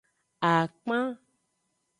Akpan.